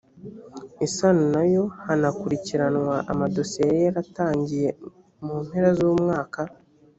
isano na yo hanakurikiranwa amadosiye yari yaratangiye mu mpera z umwaka